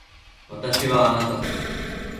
私はあなただ。